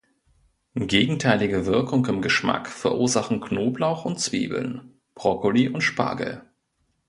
Gegenteilige Wirkung im Geschmack verursachen Knoblauch und Zwiebeln, Brokkoli und Spargel.